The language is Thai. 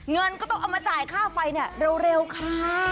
เงินก็ต้องเอามาจ่ายค่าไฟเร็วค่ะ